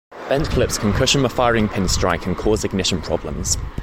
Bent clips can cushion the firing pin strike and cause ignition problems.